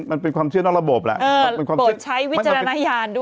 มันเป็นความเชื่อนอกระบบแหละใช้วิจารณญาณด้วย